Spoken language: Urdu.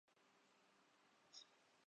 اور ایک ایسی بات جو آپ کو بہت پسند ہے